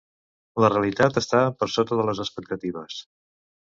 La realitat està per sota de les expectatives.